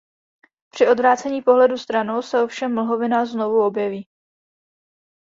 Při odvrácení pohledu stranou se ovšem mlhovina znovu objeví.